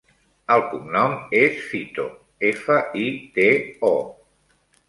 El cognom és Fito: efa, i, te, o.